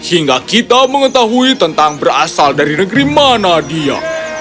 hingga kita mengetahui tentang berasal dari negeri mana dia